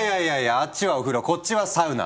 あっちはお風呂こっちはサウナ。